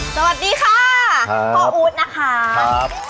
สวัสดีค่ะพ่ออู๊ดนะคะ